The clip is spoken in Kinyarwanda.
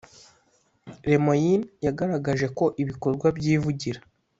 Lemoyne yagaragaje ko ibikorwa byivugira